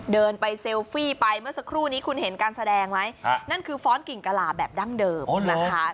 เดินไปเซลฟี่ไปเมื่อสักครู่นี้คุณเห็นการแสดงไหมนั่นคือฟ้อนกิ่งกะหลาบแบบดั้งเดิมนะคะ